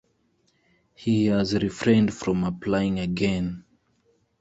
He has refrained from applying again.